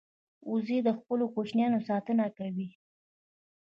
وزې د خپلو کوچنیانو ساتنه کوي